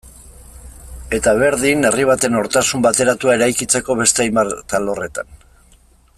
Eta berdin herri baten nortasun bateratua eraikitzeko beste hainbat alorretan.